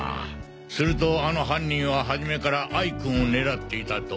するとあの犯人は初めから哀君を狙っていたと？